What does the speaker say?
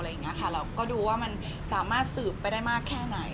เราก็ดูว่ามันสามารถสืบไปได้มากแค่ไหน